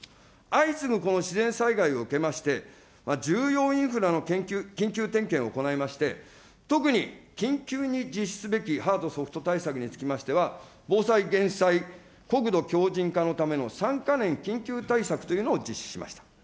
相次ぐこの自然災害を受けまして、重要インフラの緊急点検を行いまして、特に緊急に実施すべきハード、ソフト対策につきましては、防災・減災・国土強靭化のための３か年緊急対策というのを実施しました。